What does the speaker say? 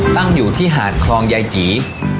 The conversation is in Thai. ตั้งอยู่ที่หาดคลองยายจี